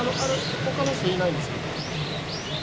他の人いないんですけど。